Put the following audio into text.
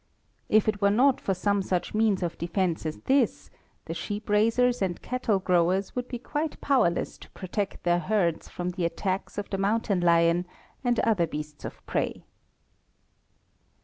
If it were not for some such means of defense as this, the sheep raisers and cattle growers would be quite powerless to protect their herds from the attacks of the mountain lion and other beasts of prey.